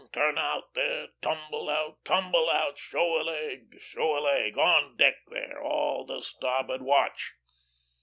turn out there! Tumble out! Tumble out! Show a leg! Show a leg! On deck there! all the starboard watch!"